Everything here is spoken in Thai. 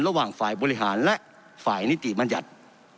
ระหว่างฝ่ายบริหารและฝ่ายนิติบัญญัติ